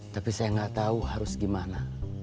tapi saya gak tau harus gimana